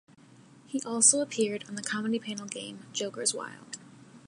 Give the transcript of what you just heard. He also appeared on the comedy panel game "Jokers Wild".